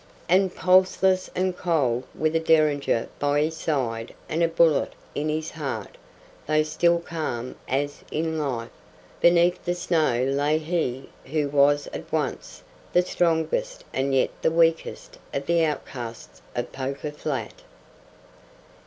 And pulseless and cold, with a Derringer by his side and a bullet in his heart, though still calm as in life, beneath the snow lay he who was at once the strongest and yet the weakest of the outcasts of Poker Flat.